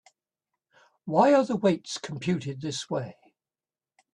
Why are the weights computed this way?